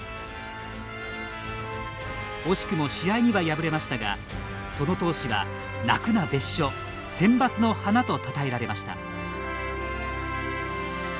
惜しくも試合には敗れましたがその闘志は「泣くな別所センバツの花」とたたえられました。